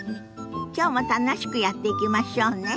きょうも楽しくやっていきましょうね。